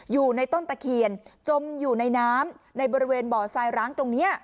อยู่ในต้นตะเคียนจมอยู่ในน้ำในบริเวณบ่อทรายร้างตรงนี้